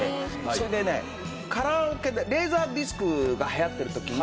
それでねカラオケでレーザーディスクが流行ってる時に。